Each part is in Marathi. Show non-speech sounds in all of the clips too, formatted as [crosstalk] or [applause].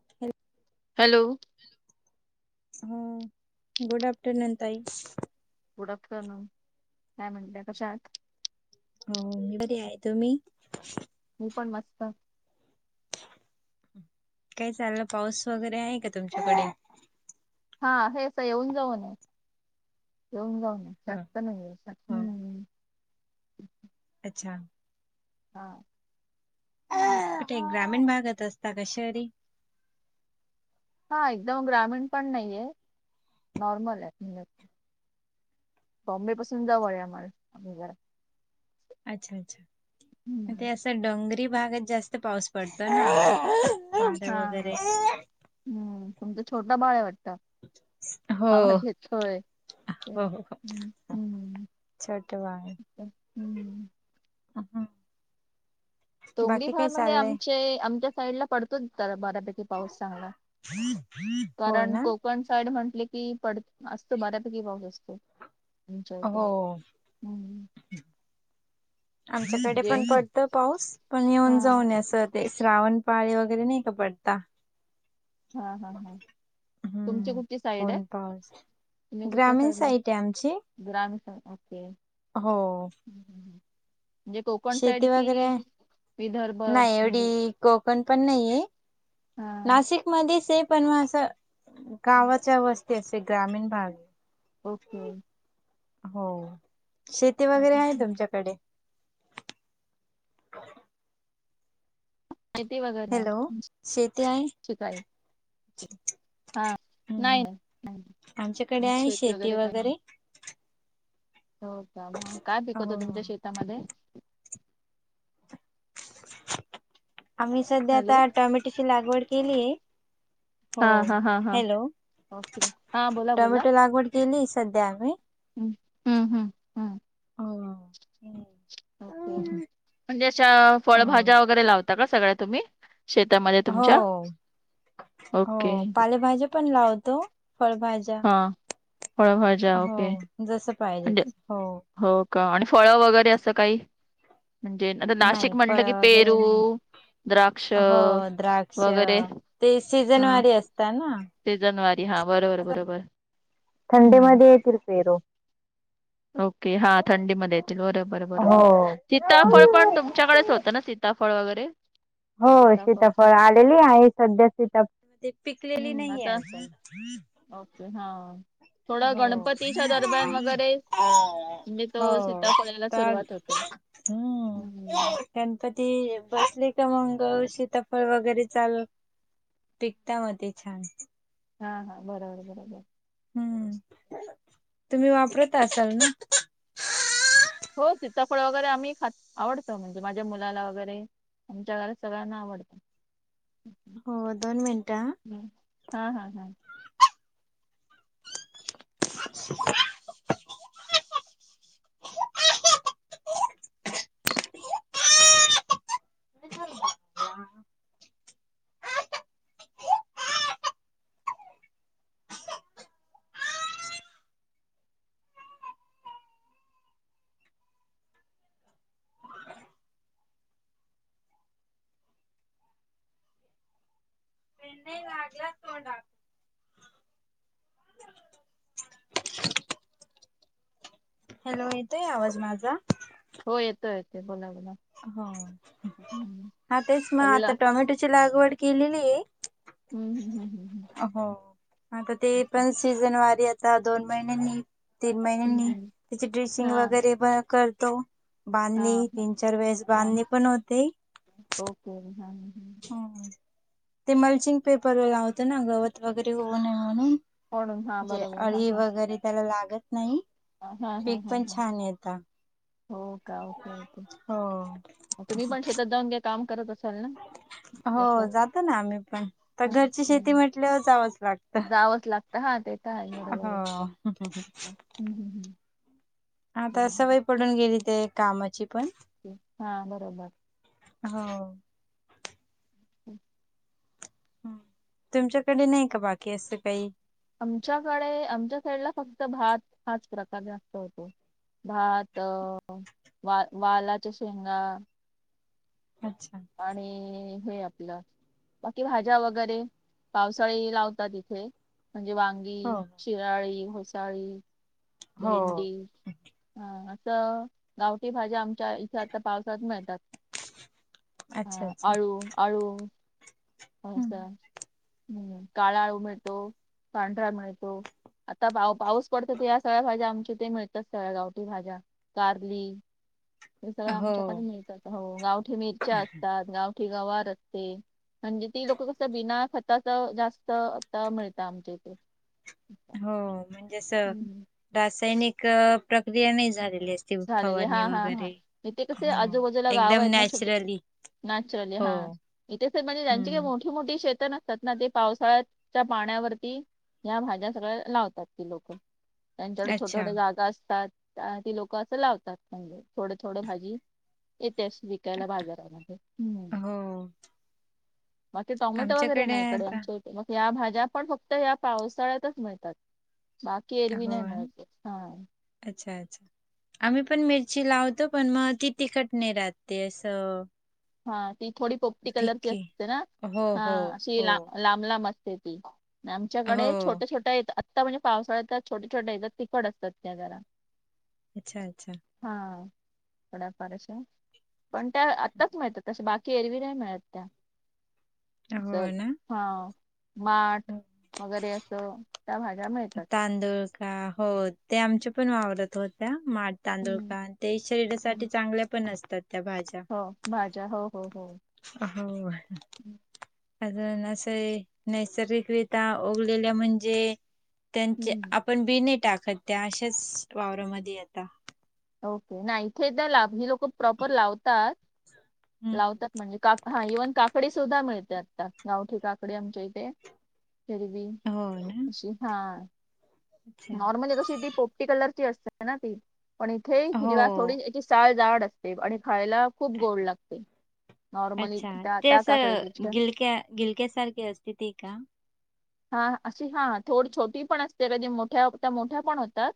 [inaudible] हॅलो. ह गुड आफ्टरनून ताई. गुड आफ्टरनून, काय म्हणताय कशा आहात? हो मी बरी आहे, तुम्ही? मी पण मस्त. काय चाललं पाऊस वगैरे आहे का तुमच्याकडे? हां आहे तर येऊन जाऊन. येऊन जाऊन हा जास्त नाहीये? जास्त हा. नाहीये. अच्छा. [inaudible] [unintelligible] कुठे ग्रामीण भागात असता का शहरी? हा एकदम ग्रामीण पण नाही आहे, नॉर्मल आहे म्हणजे बॉम्बे पासून जवळ आम्हांला म्हणजे जरा अच्छा अच्छा हम्म. ते असं डोंगरी भागात जास्त पाऊस पडतो ना. हा वारं वगैरे हा हो. हम्म तुमचं छोटं बाळं आहे वाटतं? हो आवाज येतोय ते हो हो. हं हं. छोट बाळ [inaudible] [inaudible] डोंगरी बाकी काय भाग म्हणजे चाललंय आमचे आमच्या साईड ला पडतोच जरा बऱ्यापेकी. पाऊस चांगला, हो कारण ना. को कोकण साईड म्हटले कि पड असतो बऱ्यापैकी पाऊस असतो. चालतंय हो. हम्म. आमच्याकडे म्हणजे पण पडतो पाऊस पण हा येऊन जाऊन असं. ते श्रावण पाळे वगैरे नाही का पडता. हां हां हां. तुमची हम्म. कुठली साईड आहे, ऊन पाऊस तुम्ही कुठल्या ग्रामीण साईडला साईट आहे आमची राह ग्रामीण [unintelligible] हो. म्हणजे कोकण साईड शेती वगैरे कि विदर्भ नाही म्हणजे एवढी कोकण पण नाहीये, हा नाशिक मध्ये सेफ आहे असं. हा. गावच्या वस्ती असे ग्रामीण भाग. ओके. हो शेती वगैरे आहे तुमच्याकडे? [inaudible] शेती वगैर नाही. हॅलो शेती आहे [unintelligible] हा हम्म नाही हम्म. नाही शेती वगैरे काही हो का मग काय पिकवता हो तुमच्या शेतामध्ये? आम्ही सध्या हॅलो आता टोमॅटोची लागवड केली आहे. हा हो हा हा हा हॅलो, ओके हा बोला टोमॅटो लागवड केली सध्या आम्ही. हं हम हं. [unintelligible] ओके, म्हणजे अशा हो फळभाज्या वगैरे लावता का सगळ्या तुम्ही? शेतामध्ये तुमच्या हो. हो ओके पालेभाजी पण लावतो. फळभाजी हा, फळभाजा ओके. जस पाहिजे म्हणजे तस. हो. हो का? आणि फळं वगैरे असं काही? म्हणजे आता नाही नाशिक म्हटलं फळ की वगैरे पेरू, नाही द्राक्ष हो द्राक्ष. वगैरे ते सीजनवारी असत ना. सीजनवारी हा बरोबर बरोबर. हं, थंडेमध्ये येतील पेरो. ओके. हा थंडीमध्ये येतील बरोबर हो बरोबर. शिताफळ पण तुमच्याकडेच होतं ना, सीताफळ वगैरे? हो सीताफळचं सीताफळ आलेली आहे. सध्या सीताफ ते पिकलेली हं, नाहीेये आता अजून. ओके हा. थोडं हो गणपतीच्या दरम्यान वगैरे, म्हणजे तो सीताफोळ यायला सुरुवात होते. ह. हं, गणपती बसले का. मंग शीतफळ वगैरे चाल पिकता म ते छान. हां हां बरोबर बरोबर. हम्म, तुम्ही वापरत असाल ना? हो सिताफळ वगैरे आम्ही खात आवडतो म्हणजे माझ्या मुलाला वगैरे. आमच्या घरात सगळ्यांना आवडतं. हो दोन मिनिटं ह. हम्म. ह ह ह. [inaudible] [inaudible] [unintelligible] हॅलो येतोय आवाज माझा? हो येतो येतो बोला बोला. ह. हं. हा तेच म पडला आता हं, टोमॅटोची लागवड केलेलीय. हम्म हम्म हम्म हम्म. ह. आता ते पण सीजन वारी आता दोन महिन्यांनी तीन हं, महिन्यांनी हं. त्याचे ड्रेसिंग हां वगैरे पण करतो. हां बांधणी. हां तीन चार वेळेस हां. बांधणी पण होते. ओके हा ह. ह ह. ते मल्चिंग पेपर व लावतो ना. गवत वगैरे होऊनये म्हणून. म्हणून हां जे बरोबर हां अळी हां वगैरे त्याला लागत नाही. हां हां हां पीक हां पण हां छान येता. हो का? Okay okay. हो. तुम्ही पण शेतात जाऊन काही काम करत असाल ना? हो याचं जातो ना आम्ही पण. आता हां घरची शेती हां म्हटल्यावर जावंच लागत. जावंच लागत. हा तेेत आहे बरोबरे. हो. हाता सवय पडून गेली ते कामाची पण. हा बरोबर. हो. [inaudible] तुमच्याकडे नाही का बाकी असं काही? आमच्याकडे, आमच्या साईडला फक्त भात हाच प्रकार जास्त होतो. भात वा वालाच्या शेंगा अच्छा. आणि हे आपलं बाकी भाज्या वगैरे पावसाळी लावतात इथे म्हणजे वां हो. गी, शिराळी, होसाळी, हो भेंडी. हा असं गावठी भाज्या आमच्या इथे आता पावसाळ्यात मिळतात. अच्छा हा अच्छा. अळु अळु हम्म. असं. हम्म काळा अळु मिळतो, पांढरा मिळतो आता पा पाऊस पडतो ते अ सगळ्या भाज्या मिळतात सगळ्या गावठी भाज्या कारली हे हो आमच्यात पण मिळतात हो गावठी मिरच्या असतात गावठी गवार असते. म्हणजे ती लोकं कसं बिना खताचं जास्त आता मिळतं आमच्या इथे. हो म्हणजे असं हम्म रासायनिक प्रक्रिया नाही झालेली अस झालेली हा हा हा इथे कसे हो. आजूबाजूला गावं एकदम आहेत ना छोटे छोट. नॅचरली नॅचरली हो हा इथे स म्हणजे त्यांची काय हम्म मोठी मोठी शेत नसतात ना ते पावसाळ्याच्या पाण्यावरती ह्या भाज्या सगळ्या लावतात ती लोकं, त्यांच्याकडे छोट अच्छा. छोट जागा असतात ती लोकं असं लावतात म्हणजे थोडं थोडं भाजी येते वि कायला बाजारामध्ये, हम्म. हो बाकी टॉमॅटो वगैरे आमच्याकडे नाही आहे इकडे आता आमच्या मग या भाज्या पण फक्त या पावसाळ्यातचं मिळतात. बाकी एरवी हो नाही मिळत हा. अच्छा अच्छा. आम्ही पण मिरची लावतो पण मग ती तिखट नाही राहत ते असं. हा ती थोडी पोपटी कलरची फिक्की असते ना? हो, हा हो, अशी ला हो. लांब लांब असते ती. आमच्याकडे हो. छोटे छोट्या आत्ता म्हणजे पावसाळ्यात छोटे छोट्या येतात तिखट असतात त्या जरा. अच्छा अच्छा. हा थोड्याफार अश्या पण त्या आ ताचं मिळतात अश्या बाकी एरवी नाही मिळत त्या च हो ना? हा. माठ हं. वगैरे असं त्या भाज्या मिळतात. तांदळ का हो ते आमच्या पण वावरत होत्या माट. तांदूळ हम्म, का ते हम्म. शरीरासाठी चांगल्या पण असतात त्या भाज्या. हो भाज्या हो हो हो. होय. अजून असं नैसर्गिकरित्या ओवलेल्या म्हणजे त्यांचे हम्म. आपण बि नाही टाकत त्या असचं वावरामध्ये येता. ओके नाही इथे तर ला ही लोकं प्रॉपर लावतात हं, हं. लावतात. म्हणजे का हा इव्हन काकडी सुद्धा मिळते आता गावठी काकडी आमच्या इथे. एरवी हो ना. हा. अच्छा. नॉर्मली तशी ती पोपटी कलरची असते ना ती, पण इथे हिरव्या हो. थोडी याची साळ जाड अस ते आणि खायला खूप गोड लागते नॉर्मली त्या त्या काकडीपेक्षा. गिलक्यासारखे असते ती का? हा अशी हा थोडी छोटी पण असते कधी मोठ्या त्या मोठ्या पण होतात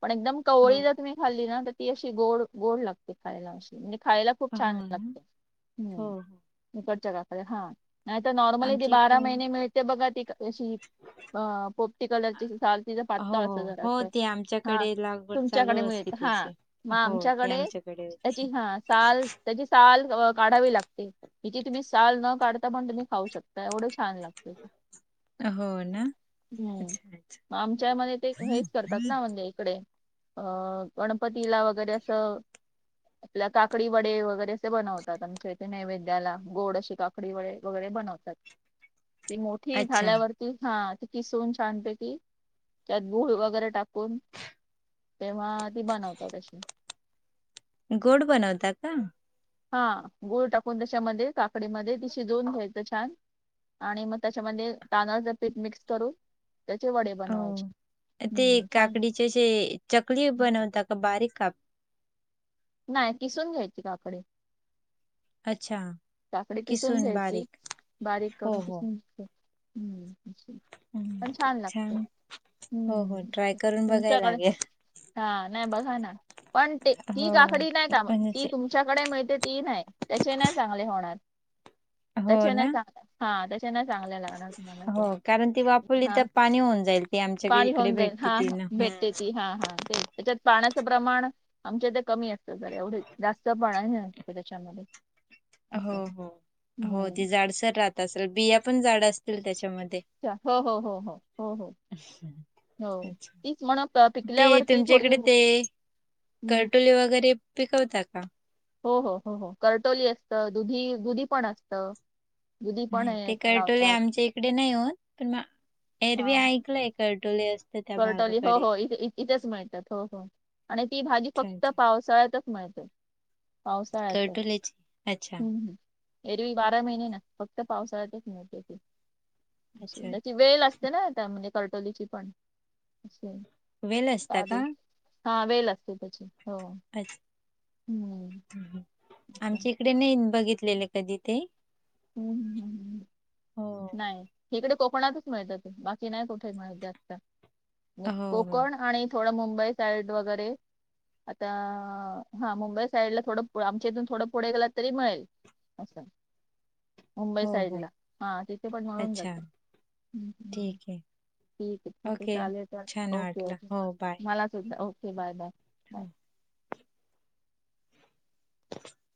पण एकदम हो. कवळी जर तुम्ही खाल्ली ना, तर ती अशी गोड गोड लागते खायला. अशी म्हणजे खायला हो छान ना? लागते, हो, हम्म. हो. इकडच्या काकड्या. हा. नाही तर नॉर्मली ती आमच्या बारा इकडे महिने मिळते बघा ती अशी अ पोपटी कलरची साल तीचं पातळ हो हो असंत. हो जरासं ते हा आमच्याकडे लागवड चालू तुमच्याकडे असते मिळत हा. त्याची. मग हो ते आमच्याकडे होती. त्याची हा साल, त्याची साल काढावी लागते. हिची तुम्ही साल न काढता, पण तुम्ही खाऊ शकता एवढं छान लागत. हो ना. अच्छा अच्छा हम्म आमच्या मध्ये ते हेच करतात ना. म्हणजे कडे अ गणपतीला वगैरे असं आपल्या काकडी वडे वगैरे असे बनवतात. आमच्या इथे नैवेद्याला गोड अशी काक कडी वडे वगैरे बनवतात. ती मोठी अच्छा झाल्यावर ते, हा किसून छानपैकी त्यात गूळ वगैरे टाकून तेव्हा ती बनवतात अशी गोड बनवता का. हा गूळ टाकून त्याच्यामध्ये, काकडी मधे ती शिजवून घ्यायचं छान. आणि मग त्याच्यामध्ये तांदळाचं पीठ मिक्स करून त्याचे वडे बनवायचे. हम्म, छान. त्याचे चकली बनवता का बारीक. नाई किसून घ्यायची काकडी. अच्छा. काकडी किसून घ्यायची बारीक हो करून हो किसून घ्यायची. पण छान लागते. हो हो हं, ट्राय करून बघाय तुमच्याकडे लागेल हा नाही बघा ना. पण ते ती हो काकडी नाही का. ती म्हणजे तुम तूमच्याकडे मिळते ती नाही. त्याचे नाही चांगले होणार. हो त्याचे नाही ना चांगले हां त्याच्या नाई चांगल्या लागणार तुम्हाला ते. हो कारण ती वापरली तर हां पाणी होऊन जाईल ती आमच्या पाणी इकडे होऊन जाईल. भेटते हा ती हा ना भेटते हम्म. ती. हा हा तेच. त्याच्यात पाण्याचं प्रमाण आमच्या इथं कमी असतं, जरा एवढेच जास्त पाणी नसतं त्याच्यामध्ये. हो, असं हो, हो हम्म. ते जाडसर राहत असेल. बिया पण जाड असतील त्याच्यामध्ये. त्या हो, हो, हो. [inaudible] हो अच्छा तीच म्हण ते पिकल्यावरती तुमच्या थोडी इकडे ते हम्म. करटोले वगैरे पिकवतात का. हो हो, हो हो करटोली असतं दुधी, दुधी पण असतं. दुधी पण हे ते करटोले लावतात आमच्या इकडे नाही होत. पण मा हा एरवी हा ऐकलंय करटोले अस. करटोली हो हो इथं इथंच मिळतात. हो हो आणि ती भाजी अच्छा फक्त अच्छा पावसाळ्यात साळ्यातच मिळते. पावसाळ्यातच, करटोलेची अच्छा हं हं. एरवी बारा महिने नाही. फक्त पावसाळ्यातच मिळतो तो, अच्छा अच्छा त्याची वेल असते. चना आता म्हणजे, करटोलीची पण वेल असता हां का वेल, हा वेल असते त्याची हो. [unintelligible] हं. आमच्या इकडे नईन बघितलेले कधी ते हं, हं, हो नाही. इकडे कोकणातच मिळतं ते. बाकी नाही कुठं मिळत जास्त, मग हो हो कोकण आणि थोडं मुंबई साईड वगैरे. आता आ हा मुंबई साईडला थोडं आमच्या इथून थोडं पुढं गेलात तरी मिळेल. अस्स. मुंबई हो हो साईडला हा. तिथे पण मळून अच्छा जातात. ठीक आहे ठीक हाय. ओके चालेल छान चालेल ओके वाटलं ओके हो बाय मला सुद्धा ओके बाय बाय. बाय. [unintelligible] [unintelligible]